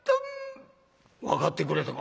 「分かってくれたか？